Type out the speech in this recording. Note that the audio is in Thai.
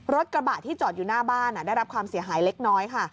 รถกระบะที่จอดอยู่หน้าบ้านได้รับความเสียหายเล็กน้อยค่ะ